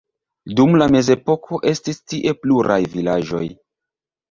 Dum la mezepoko estis tie pluraj vilaĝoj.